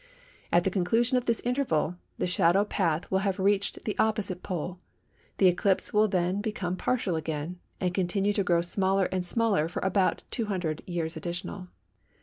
At the conclusion of this interval, the shadow path will have reached the opposite pole; the eclipse will then become partial again, and continue to grow smaller and smaller for about 200 years additional.